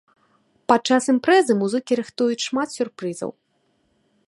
Падчас імпрэзы музыкі рыхтуюць шмат сюрпрызаў.